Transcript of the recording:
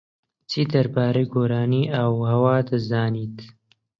چی دەربارەی گۆڕانی ئاووهەوا دەزانیت؟